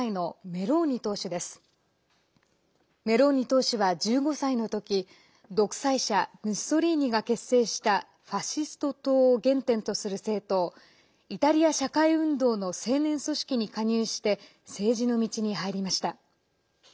メローニ党首は１５歳の時独裁者ムッソリーニが結成したファシスト党を原点とする政党イタリア社会運動の青年組織に加入して政治の道に入りました。